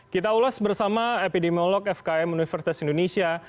kita ulas bersama epidemiolog fkm universitas indonesia